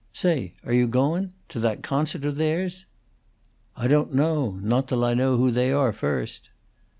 Say, are you goun'? To that concert of theirs?" "I don't know. Not till I know who they are first."